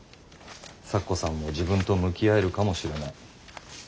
咲子さんも自分と向き合えるかもしれない。